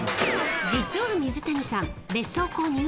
［実は水谷さん］